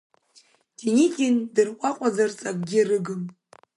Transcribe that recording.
Деникин дырҟәаҟәаӡарц акгьы рыгым.